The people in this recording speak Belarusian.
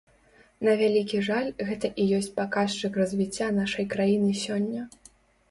На вялікі жаль, гэта і ёсць паказчык развіцця нашай краіны сёння.